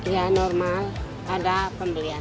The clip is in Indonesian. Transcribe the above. ya normal ada pembelian